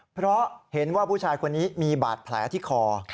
เพราะเห็นว่าผู้ชายคนนี้มีบาดแผลที่คอ